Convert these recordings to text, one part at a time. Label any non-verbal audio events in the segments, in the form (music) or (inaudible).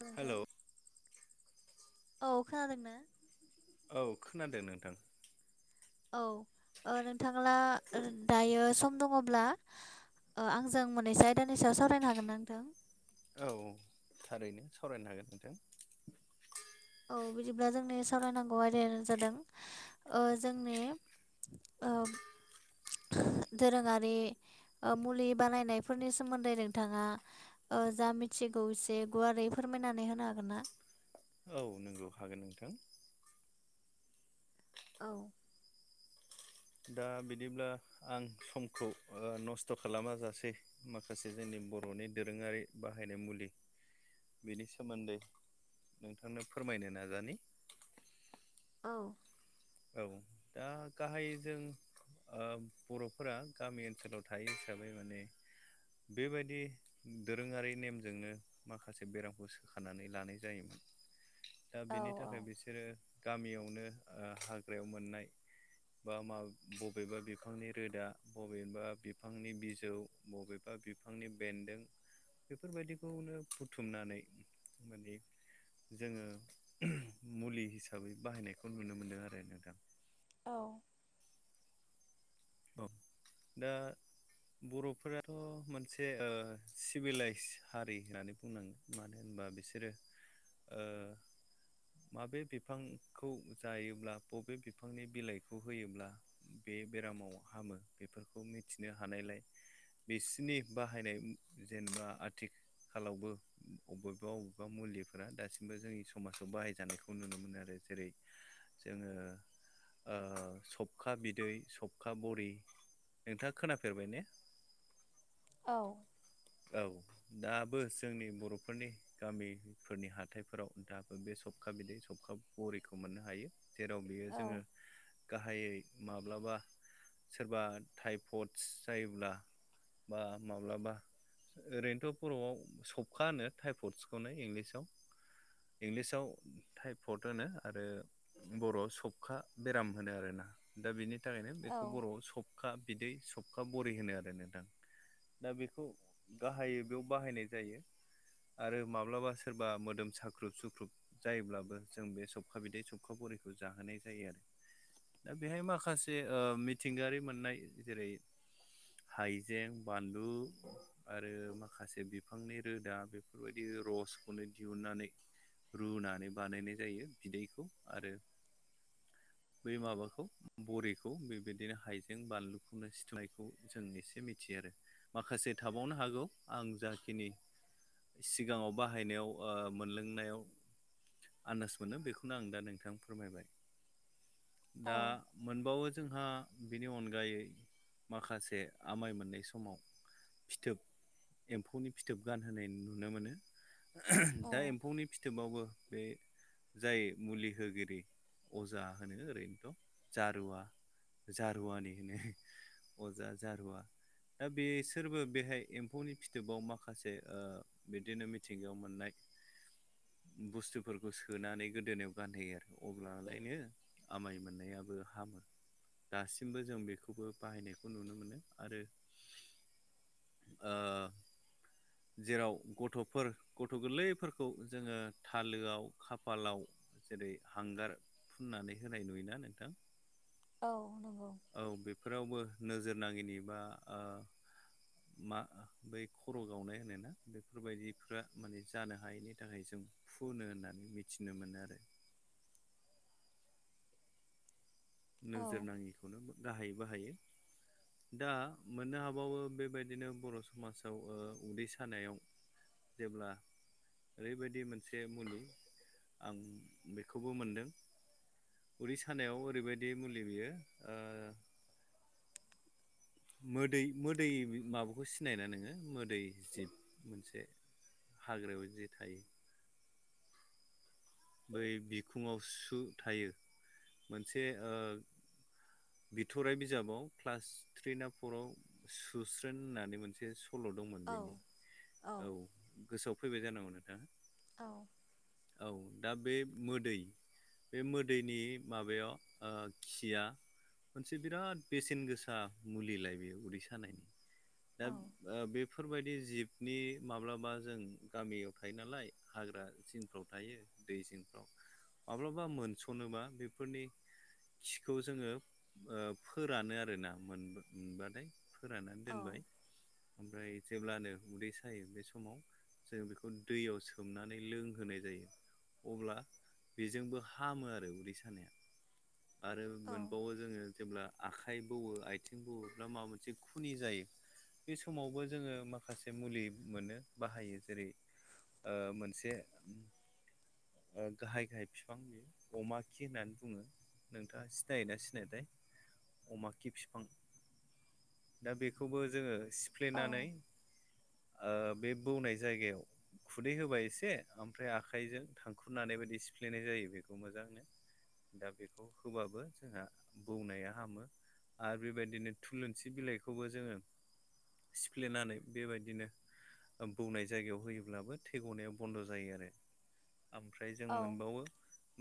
नोंथां हेलौ औ खोनादोंना? औ खोनादों नोंथां औ ओ नोंथाङा दायो सम दङब्ला ओ आंजों मोननैसो आयदानि सायाव सावरायनो हागोन ना नोंथां? औ थारैनो सावरायनो हागोन नोंथां। औ बिदिब्ला जोंनि सावरायनांगौ आयदाया जादों ओ जोंनि ओ दोरोङारि ओ मुलि बानायनायफोरनि सोमोन्दै नोंथाङा ओ जा मिथिगौ एसे गुवारै फोरमायनानै होनो हागोन ना? औ नंगौ हागोन नोंथां। औ दा बिदिब्ला आं समखौ ओ नस्थ' खालाम जासे माखासे जोंनि बर'नि दोरोङारि बाहायनाय मुलि बेनि सोमोन्दै नोंथांनो फोरमायनो नाजानि। औ औ दा गाहाय जों बर'फोरा गामि ओनसोलाव थायो हिसाबै माने बेबायदि दोरोङारि नेमजोंनो माखासे बेरामखौ सोखनानै लानाय जायोमोन। दा औ बेनि थाखाय बिसोरो गामियावनो ओ हाग्रायाव मोननाय बा मा बबेबा बिफांनि रोदा बबेबा बिफांनि बिजौ बबेबा बिफांनि बेन्दों बेफोरबायदिखौनो बुथुमनानै मानि जोङो मुलि हिसाबै बाहायनायखौ नुनो मोनदों आरो नोंथां। औ औ दा बर'फोराथ' मोनसे ओ सिभिलाइस हारि होननानै बुंनांगोन। मानो होनबा बिसोरो ओ माबे बिफां खौ जायोब्ला बबे बिफांनि बिलाइखौ होयोब्ला बे बेरामाव हामो बेफोरखौ मिथिनो हानायलाय बिसिनि बाहायनाय जेनेबा आथि खालावबो अबेबा अबेबा मुलिफोरा दासिमबो जोंनि समाजाव बाहायजानायखौ नुनो मोनो आरो जेरै' जोङो ओ सबखा बिदै सख खा बरि नोंथाङा खोनाफेरबाय ने? औ औ दाबो जोंनि बर'फोरनि गामि फोरनि हाथायफोराव दाबो बे सबखा बिदै सबखा बरिखौ मोननो हायो। जेराव बियो औ जोङो गाहायै माब्लाबा सोरबा टाइफइडस जायोब्ला बा माब्लाबा ओरैनोथ' बर'आव सबखा होनानो टाइपदसखौ नो इंलिसाव। इंलिसाव टाइप फट होनो आरो बर'आव सौखा बेराम होनो आरोना दा बेनि थाखायनो औ बेखौ बर'आव सब सबखा बिदै सबखा बरि होनो आरो नोंथां दा बेखौ गाहायै बेयाव बाहायनाय जायो आरो माब्लाबा सोरबा मोदोम साख्रुब सुख्रुब जायोब्लाबो जों बे सबखा बिदै सबखा बरिखौ जाहोनाय जायो आरो। दा बेहाय माखासे ओ मिथिंगायारि मोननाय जेरै हाइजें, बानलु आरो माखासे बिफांनि रोदा बेफोरबायदि रसखौनो दिहुननानै रुनानै बानायनाय जायो बिदैखौ आरो बे माबाखौ बरिखौ बेबायदिनो हाइजें बानलुखौनो सिथनायखौ जों एसे मिथियो आरो माखासे थाबावनो हागौ आं जाखिनि सिगाङाव बाहायनायाव ओ मोनलोंनायाव आन्दास मोनो बेखौनो आं दा नोंथां फोरमायबाय। दा औ मोनबावो जोंहा बिनि अनगायै माखासे आमाय मोननाय समाव फिथोब एम्फौनि फिथोब गानहोनाय नुनो मोनो। (unintelligible) औ दा एम्फौनि फिथोबावबो बे जाय मुलि होगिरि अजा मा होनो ओरैनोथ' जारुवा जारुवानि होनो। अजा जारुवा। दा बेसोरबो बेहाय एम्फौनि फिथोबाव माखासे ओ बिदिनो मिथिंगायाव मोननाय बुस्थुफोरखौ सोनानै गोदोनायाव गानहोयो आरो अब्लालायनो आमाय मोननायाबो हामो। दासिमबो जों बेखौबो बाहायनायखौ नुनो मोनो आरो ओ जेराव गथ'फोर गथ' गोरलैफोरखौ जोङो थालोआव खाफालाव जेरै हांगार फुननानै होनाय नुयो ना नोंथां। औ नंगौ। औ बेफोरावबो नोजोर नाङिनि बा ओ मा बै खर' गावनाय होनो ना। बेफोर बायदिफ्रा माने जानो हायैनि थाखाय जों फुनो होननानै मिथिनो मोनो आरो औ नंगौ नोजोर नाङिखौनो गाहायै बाहायो। दा मोननो हाबावो बेबायदिनो बर' समाजाव ओ उदै सानायाव जेब्ला ओरैबायदि मोनसे मुलि आं बेखौबो मोनदों। उदै सानायाव ओरैबायदि मुलि बियो ओ मोदै मोदै माबाखौ सिनायो ना नोङो मोदै जिब मोनसे। हाग्रायाव इदि थायो बै बिखुङाव सु थायो मोनसे ओ बिथ'राइ बिजाबाव क्लास थ्रि ना फराव सुस्रोन होननानै मोनसे सु सल' दंमोन बेनि। औ औ गोसोआव फैबाय जानांगौ नोंथाङा औ औ दा बे मोदै बे मोदैनि माबायाव ओ खिया मोनसे बिराद बेसेन गोसा मुलिलाय बेयो उदै सानायनि। दा औ ओ बेफोरबायदि जिबनि माब्लाबा जों गामियाव थायो नालाय हाग्रा जिं फ्राव थायो दै जिंफ्राव। माब्लाबा मोनस'नोबा बेफोरनि खिखौ जोङो ओ फोरानो आरो ना मोन मोनबाथाय। फोराननानै औ दोनबाय। ओमफ्राय जेब्लानो उदै सायो। बे समाव जों बेखौ दैयाव सोमनानै लोंहोनाय जायो। अब्ला बेजोंबो हामो आरो उदै सानाया। आरो औ मोनबावो जोङो जेब्ला आखाइ बौवो आइथिं बौवो (unintelligible) माबा मोनसे खुनि जायो। बे समावबो जोङो माखासे मुलि मोनो बाहायो। जेरै ओ मोनसे ओम गाहाय गाहाय फिफां बियो। अमा खि होननानै बुङो। नोंथाङा सिनायो ना सिनायाथाय। अमा खि फिफां। दा बेखौबो जोङो (unintelligible) औ हुफ्लेनानै बे बौनाय जायगायाव खुदै होबाय एसे ओमफ्राय आखाइजों थां खुरनानै बायदि सिफ्लेनाय जायो बेखौ मोजांनो दा बेखौ होबाबो जोंहा बौनाया हामो। आरो बेबायदिनो थुलुंसि बिलाइखौबो जोंङो सिफ्लेनानै बेबायदिनो बौनाय जायगायाव होयोब्लाबो थैगनाया बन्द' जायो आरो ओमफ्राय जों औ मोनबावो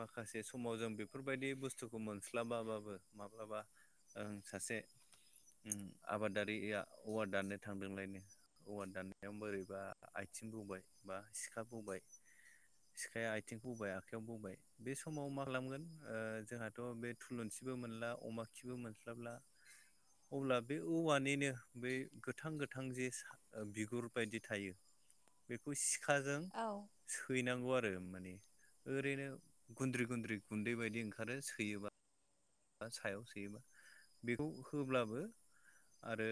माखासे समाव जों बेफोरबायदि बुस्थुखौ मोनस्लाबाबाबो माब्लाबा ओं सासे आबादारिया औवा दाननो थांदोंलायनो औवा दाननायाव बोरैबा आथिं बौबाय बा सिखा बौाय सिखाया आथिंखौ बोबाय आखाइयाव बोबबाय बे समाव मा खालामगोन जोंहाथ' बे थुलुंसिबो मोनला अमा खिबो मोनस्लाबला अब्ला बे औवानिनो बे गोथां गोथां जे बिगुर बायदि थायो बेखौ सिखाजों सैनांगौ माने ओैरैनो गुद्रि गुद्रि गुन्दैबादि ओंखारओ सोयोबा। सायाव सोयोबा बेखौ होब्लाबो आरो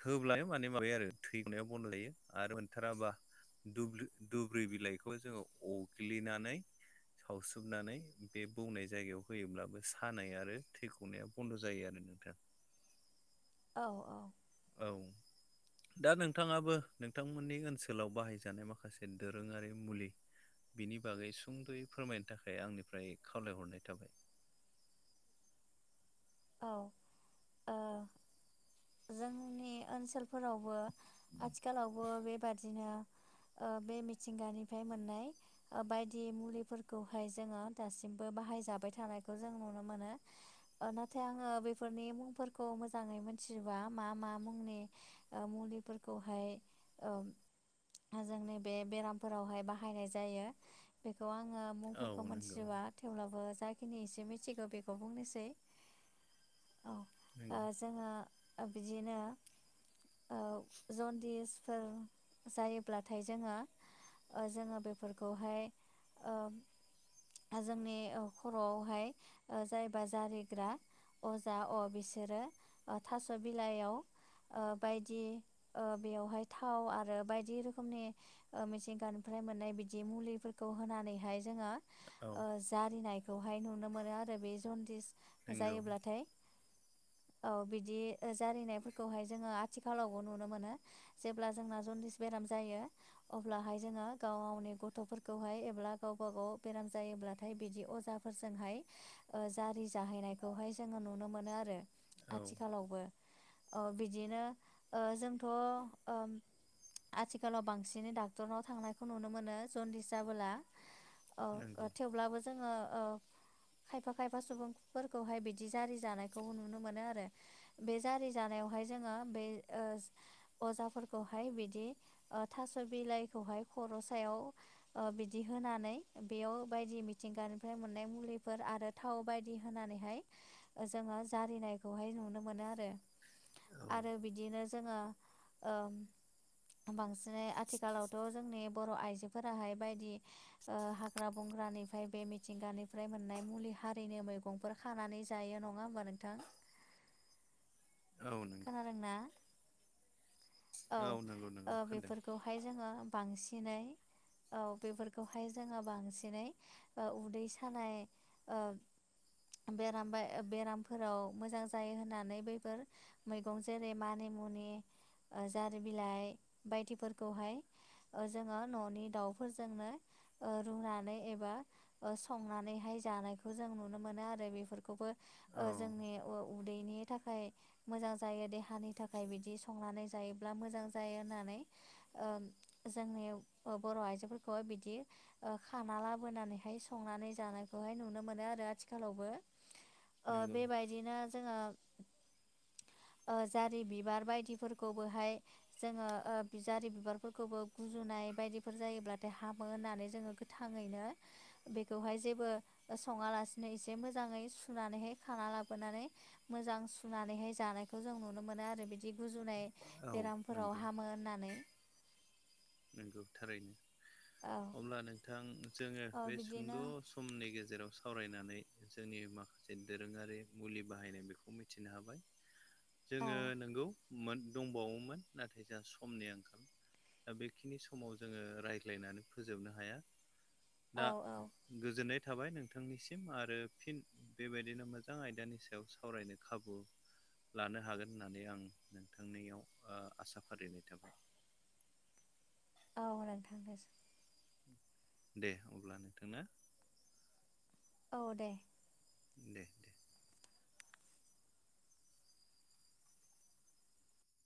होब्लानो माने माबायो आरो थै गंवाया बनद जायो। आरो मोनथाराबा दुब्रि बिलाइखौ जोंङो अग्लिनानै सावसोबनानै बे बौनाय जायगायाव होयोब्लाबो सानाय आरो थैगनाया बन्द' जायो आरो नोंथां औ औ औ दा नोंथाङाबो नोंथांमोननि ओनसोलाव बाहायजानाय माखासे दोरोंङारि मुलि बिनि बागै सुंद'यै फोरमायनो थाखाय आंनिफ्राय खावलायहरनाय थाबाय। औ ओ जोंनि ओनसोलफोरावबो आथिखालावबो बेबादिनो बे मिथिंगानिफ्राय मोननाय बायदि मुलिफोरखौहाय जोऔङो दासिमबो बाहायजाबाय थानायखौ जों नुनो मोनो। नाथाय आंङो बेफोरनि मुंफोरखौ मोजांङै मोनथियोबा मा मा मुंनि ओ मुलिफोरखौहाय ओ ओ जोंनि बे बेरामफोरावहाय बाहायनाय जायो बेखौ आंङो मुंफोरखौ औ नंगौ मोनथिजोबा थेवब्लाबो जाखिनि एसे मिथिगौ बेखौ बुंनोसै। औ ओ नंगौ जोङो बिदिनो जनदिसफोर जायोब्लाथाय जोंङो जोंङो बेफोरखौहाय ओ ओ जोंनि खर'आवहाय जायबा जारि ग्रा अजा अ बिसोरो थास' बिलाइयाव बायदि बेवहाय थाव आरो बायदि रोखोमनि मिथिंगानिफ्राय मोननाय बिदि मुलिफोरखौ होनानैहाय जोंङो औ जारिनायखौहाय नुनो मोनो आरो बे जन्दिस नंगौ जायोब्लाथाय औ बिदि जारिनायफोरखौहाय जोंङो थि खालावबो नुनो मोनो जेब्ला जोंना जन्दिस बेराम जायो। अब्लाहाय जोंङो गाव गावनि गथ'फोरखौहाय एब्ला गावबा गाव बेराम जायोब्लाथाय बिदि अजा फोरजोंहाय ओ जारि जाहैनाय खौहाय जोंङो नुनो मोनो आरो औ आथिखालावबो। औ बिदिनो ओ जोंथ' आथिखालाव बांसिनै डाक्टरनाव थांनायखौ नुनो मोनो जन्दिस जाबोला। नंगौ ओ थेवब्लाबो जोंङो ओ खायफा खायफा सुबुं फोर खौहाय बिदि जारि जानायखौ नुनो मोनो आरो बे जारि जानायावहाय जोंङो बे ओ अजाफोरखौहाय बिदि ओ थास' बिलाइखौहाय खर' सायाव ओ बिदि होनानै बेयाव बायदि मिथिंगानिफ्राय मोननाय मुलिफोर आरो थाव बायदि होनानै हाय जोङो जारिनायखौहाय नुनो मोनो आरो औ आरो बिदिनो जोङो ओम बांसिनै आथिखालावथ' जोंनि बर' आइजोफोराहाय बायदि ओ हाग्रा बंग्रानिफ्राय बे मिथिंगानिफ्राय मोननाय मुलि हारिनो मैगंफोर खानानै जायो नङा होमबा नोंथां औ नो खोनादोंना औ नंगौ नंगौ ओ खोनादों बेफोरखौहाय जोङो बांसिनै औ बेफोरखौहाय जोङो बांसिनै ओ उदै सानाय ओ बेराम ब बेरामफोराव मोजां जायो होननानै बैफोर मैगं जेरै मानि मुनि ओ जारि बिलाइ बायदिफोरखौहाय ओ जोङो न'नि दाउफोरजोंनो ओ रुनानै एबा ओ संनानैहाय जानायखौ जों नुनो मोनो आरो बेफोरखौबो औ ओ जोंनि उदैनि थाखाय मोजां जायो देहानि थाखाय बिदि संनानै जायोब्ला मोजां जायो होननानै ओम जोंनि बर' आइजोफोरखौ बिदि ओ खाना लाबोनानैहाय संनानै जानायखौहाय नुनो मोनो आरो आथिखालावबो ओ नंगौ बेबायदिनो जोङो ओ जारि बिबार बायदि फोर बेखौबोहाय जोङो ओ जारि बिबारफोरखौबो गुजुनाय बायदिफोर जायोब्लाथाय हामो होननानै जोङो गो थाङैनो बेखौहाय जेबो सङा लासिनो एसे मोजाङै सुनानैहाय खाना लाबोनानै मोजां सुनानैहाय जानायखौ जों नुनो मोनो आरो बिदि गुजुनाय औ बेरामफोराव नंगौ हामो होननानै नोंगौ थारैनो औ अब्ला नोंथां जोङो औ बे सुंद' बिदिनो बुं समनि गेजेराव सावरायनानै जोंनि माखासे दोरोङारि मुलि बाहायनाय बेखौ मिथिनो हाबाय (inaudible) जोङो नंगौ मोन दंबावोमोन नाथाय जोंहा समनि आंखाल दा बेखिनि समाव जोङो रायज्लायनानै फोजोबनो हाया औ दा औ गोजोननाय थाबाय नोंथांनिसिम आरो फिन बेबायदिनो मोजां आयदानि सायाव सावरायनो खाबु लानो हागोन होननानै आं नोंथांनियाव ओ आसा फारिनाय थाबाय औ नों थांनोसै दे अब्ला नोंथांनो औ दे दे दे